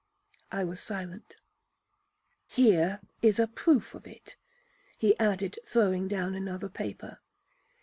'—I was silent.—'Here is a proof of it,' he added, throwing down another paper.